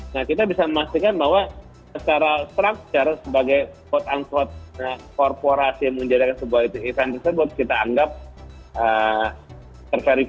nah kita bisa memastikan bahwa secara structure sebagai quote unquote korporasi yang menjadikan sebuah event tersebut kita anggap terverifikasi